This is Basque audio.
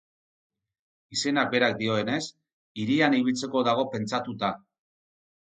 Izenak berak dioenez, hirian ibiltzeko dago pentsatuta.